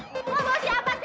lo gak salah masuk tuh